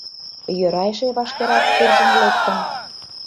Йӧра эше вашкерак куржын лектым!